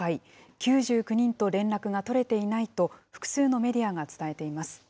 ９９人と連絡が取れていないと、複数のメディアが伝えています。